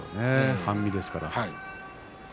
半身ですから。